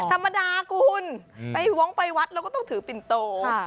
ธรรมดาคุณไปวงไปวัดเราก็ต้องถือปินโต